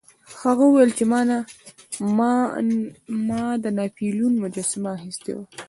هغه وویل چې ما د ناپلیون مجسمه اخیستې وه.